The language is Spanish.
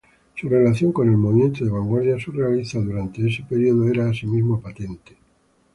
Su relación con el movimiento de vanguardia surrealista durante este periodo era asimismo patente.